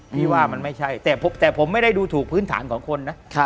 พี่ว่ามันไม่ใช่แต่ผมไม่ได้ดูถูกพื้นฐานของคนนะ